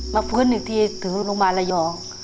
มาฟื้นหนึ่งทีถึงโรงพยาบาลไลยอง